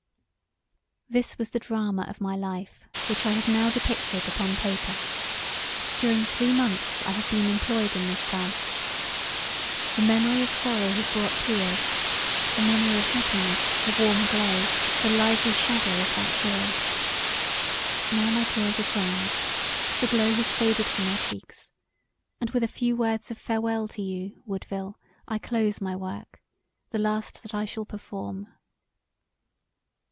This was the drama of my life which I have now depicted upon paper. During three months I have been employed in this task. The memory of sorrow has brought tears; the memory of happiness a warm glow the lively shadow of that joy. Now my tears are dried; the glow has faded from my cheeks, and with a few words of farewell to you, Woodville, I close my work: the last that I shall perform.